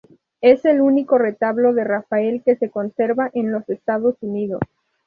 Es el único retablo de Rafael que se conserva en los Estados Unidos.